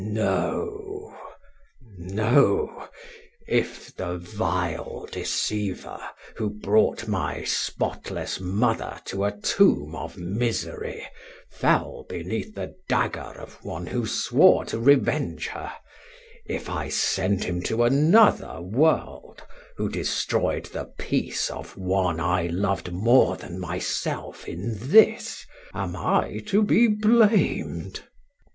No no. If the vile deceiver, who brought my spotless mother to a tomb of misery, fell beneath the dagger of one who swore to revenge her if I sent him to another world, who destroyed the peace of one I loved more than myself in this, am I to be blamed?"